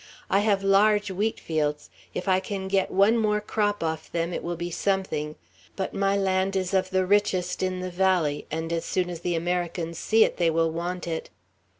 "I have large wheat fields; if I can get one more crop off them, it will be something; but my land is of the richest in the valley, and as soon as the Americans see it, they will want it.